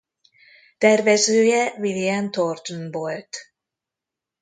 Tervezője William Thornton volt.